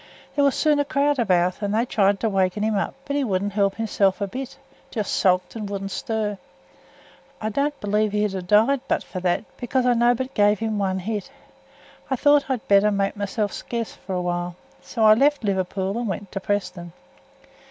There was soon a crowd about, and they tried to wakken him up; but he wouldn't help hisself a bit just sulked and wouldn't stir. I don't believe he'd ha' died but for that, because I nobbut give him but one hit. I thowt I'd better make mysel' scarce for a while, so I left Liverpool and went to Preston.